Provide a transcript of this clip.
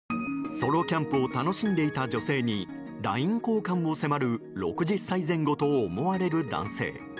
ソロキャンプを楽しんでいた女性にＬＩＮＥ交換を迫る６０歳前後と思われる男性。